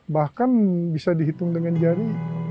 bahkan bisa dihitung dengan jari